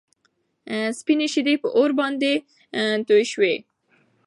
سپينې شيدې په اور باندې توی شوې.